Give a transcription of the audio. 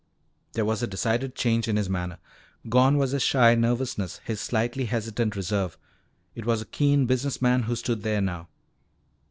There was a decided change in his manner. Gone was his shy nervousness, his slightly hesitant reserve. It was a keen business man who stood there now.